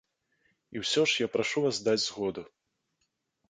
І ўсё ж я прашу вас даць згоду.